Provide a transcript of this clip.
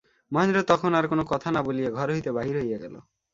মহেন্দ্র তখন আর-কোনো কথা না বলিয়া ঘর হইতে বাহির হইয়া গেল।